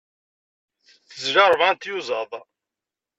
Tezla ṛebɛa n tyuẓaḍ.